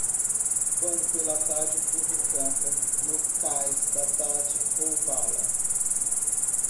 Quando pela manhã o cuco canta, no cais da tarde ou vala.